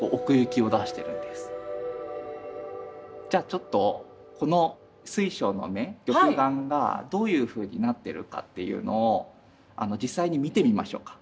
ちょっとこの水晶の目玉眼がどういうふうになってるかというのを実際に見てみましょうか。